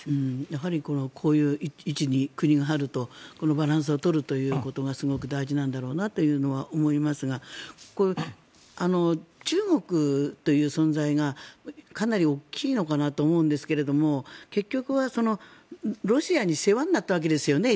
やはりこういう位置に国があるとバランスを取るということがすごく大事なんだろうなと思いますが中国という存在がかなり大きいのかなと思うんですけれど結局はロシアに世話になったわけですよね。